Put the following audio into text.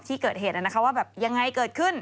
ที่เกิดเหตุแบบอย่างไรเกิดขึ้น